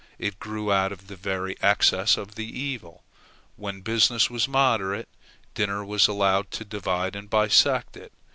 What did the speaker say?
It grew out of the very excess of the evil. When business was moderate, dinner was allowed to divide and bisect it.